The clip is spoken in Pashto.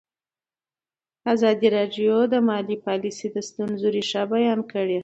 ازادي راډیو د مالي پالیسي د ستونزو رېښه بیان کړې.